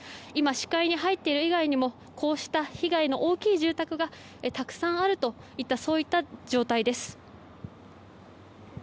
今、視界に入っている以外にもこうした被害の大きい住宅がたくさんあるといった状態です。